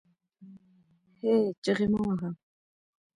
هې ! چیغې مه واهه